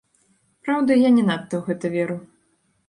Праўда, я не надта ў гэта веру.